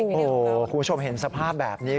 คุณผู้ชมเห็นสภาพแบบนี้